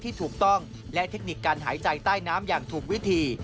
ที่ถูกต้องและเทคนิคการหายใจใต้น้ำอย่างถูกวิธี